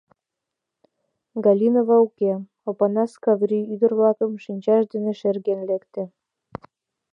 — Галинова уке, — Опанас Каврий ӱдыр-влакым шинчаж дене шерген лекте.